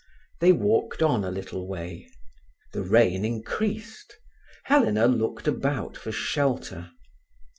They walked on a little way. The rain increased. Helena looked about for shelter.